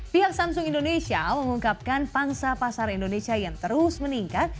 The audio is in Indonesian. pihak samsung indonesia mengungkapkan pangsa pasar indonesia yang terus meningkat